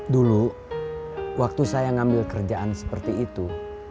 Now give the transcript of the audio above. dulu waktu saya ngambil kerjaan seperti itu